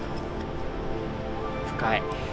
深い。